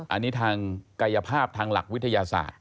อันนี้ทางกายภาพทางหลักวิทยาศาสตร์